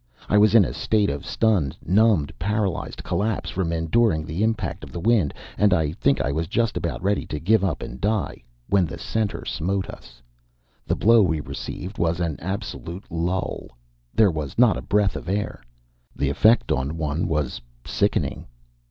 I was in a state of stunned, numbed, paralyzed collapse from enduring the impact of the wind, and I think I was just about ready to give up and die when the center smote us. The blow we received was an absolute lull. There was not a breath of air. The effect on one was sickening.